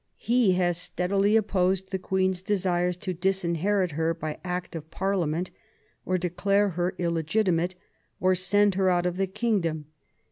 He has steadily opposed the Queen's desires to disinherit her by Act of Parliament, or declare her 40 QUEEN ELIZABETH. illegitimate, or send her out of the kingdom.